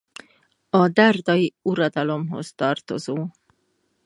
A dárdai uradalomhoz tartozó.